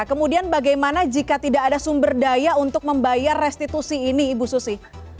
kemudian bagaimana jika tidak ada sumber daya untuk membayar restitusi ini ibu susi